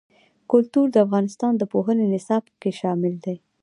کلتور د افغانستان د پوهنې نصاب کې شامل دي.